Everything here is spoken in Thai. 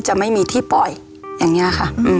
จะไม่มีที่ปล่อยอย่างนี้ค่ะ